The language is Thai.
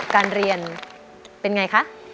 การเรียนเป็นไงคะ